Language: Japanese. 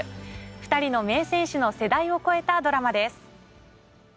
２人の名選手の世代を超えたドラマです。